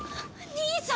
兄さん！